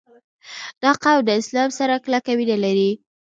• دا قوم د اسلام سره کلکه مینه لري.